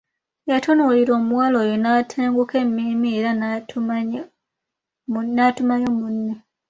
Yatunuulira omuwala oyo n'atenguka emmeeme era n'atumayo munne.